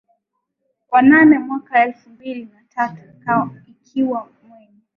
Wa nane mwaka elfu mbili na tatu akiwa mwenye